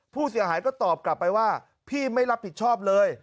ผู้เสียหายก็ตอบกลับไปว่าพี่ไม่รับผิดชอบเลย